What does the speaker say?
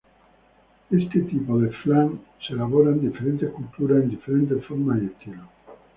Este tipo de flan se elabora en diferentes culturas en diferentes formas y estilos.